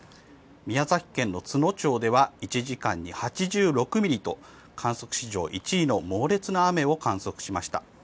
宮崎県の都農町では１時間に８６ミリと観測史上１位の猛烈な雨を観測しました。